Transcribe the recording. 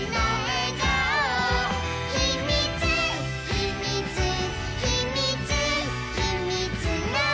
「ひみつひみつひみつひみつの」